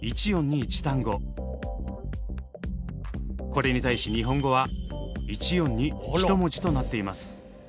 これに対し日本語は１音に１文字となっています。